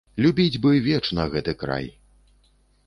Любіць бы вечна гэты край.